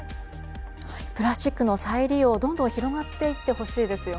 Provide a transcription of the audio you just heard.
プラスチックの再利用、どんどん広がっていってほしいですよ